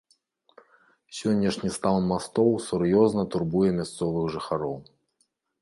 Сённяшні стан мастоў сур'ёзна турбуе мясцовых жыхароў.